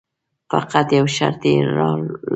فقط یو شرط یې لرلو.